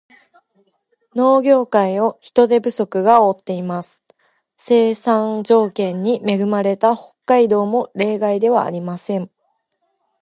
農業界を人手不足が覆っています。生産条件に恵まれた北海道も例外ではありません。